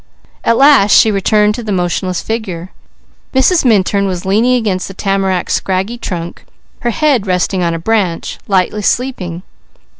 At last she returned to the motionless figure. Mrs. Minturn was leaning against the tamarack's scraggy trunk, her head resting on a branch, lightly sleeping.